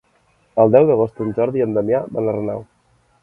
El deu d'agost en Jordi i en Damià van a Renau.